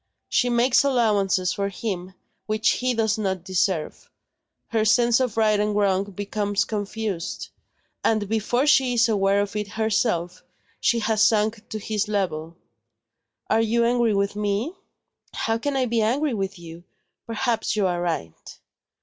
She makes allowances for him, which he does not deserve; her sense of right and wrong becomes confused; and before she is aware of it herself, she has sunk to his level. Are you angry with me?" "How can I be angry with you? Perhaps you are right."